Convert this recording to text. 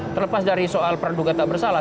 terlepas dari soal praduga tak bersalah